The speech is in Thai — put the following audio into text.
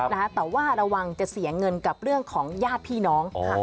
แต่ว่าระวังจะเสียเงินกับเรื่องของญาติพี่น้องค่ะ